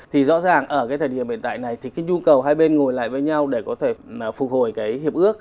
thì rõ ràng ở cái thời điểm hiện tại này thì cái nhu cầu hai bên ngồi lại với nhau để có thể phục hồi cái hiệp ước